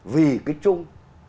vì cái chung